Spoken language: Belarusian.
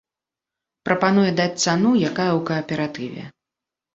Прапануе даць цану, якая ў кааператыве.